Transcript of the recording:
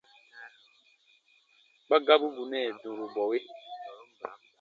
Kpa gabu bù nɛɛ dũrubɔwe.